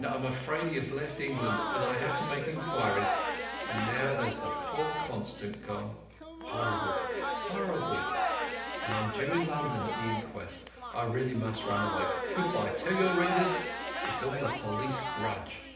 I'm afraid he has left England, and I have to make inquiries; and now there's poor Constant gone horrible! horrible! and I'm due in London at the inquest. I must really run away. Good by. Tell your readers it's all a police grudge."